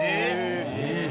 えっ？